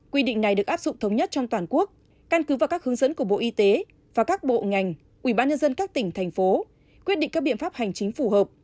quy định này được áp dụng thống nhất trong toàn quốc căn cứ vào các hướng dẫn của bộ y tế và các bộ ngành ubnd các tỉnh thành phố quyết định các biện pháp hành chính phù hợp